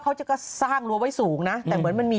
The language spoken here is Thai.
เขาก็สร้างรั้วไว้สูงนะแต่เหมือนมันมี